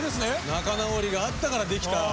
仲直りがあったからできた。